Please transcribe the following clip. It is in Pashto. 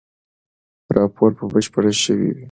راپور به بشپړ شوی وي.